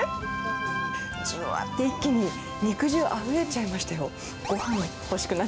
じゅわって、一気に肉汁あふれちゃいましたよ。